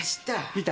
見た？